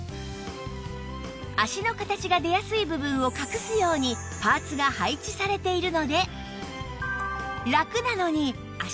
足の形が出やすい部分を隠すようにパーツが配置されているので